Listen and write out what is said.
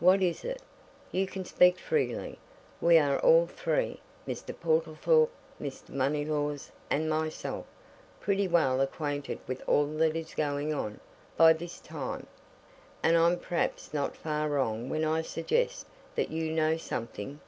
"What is it? You can speak freely we are all three Mr. Portlethorpe, Mr. Moneylaws, and myself pretty well acquainted with all that is going on, by this time. And I'm perhaps not far wrong when I suggest that you know something?"